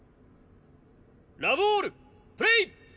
ラブオールプレー。